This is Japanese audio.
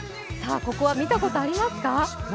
ここは見たことありますか？